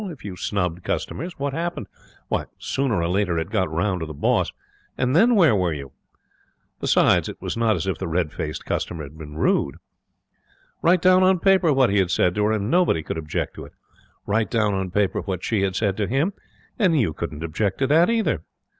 If you snubbed customers, what happened? Why, sooner or later, it got round to the boss, and then where were you? Besides, it was not as if the red faced customer had been rude. Write down on paper what he had said to her, and nobody could object to it. Write down on paper what she had said to him, and you couldn't object to that either.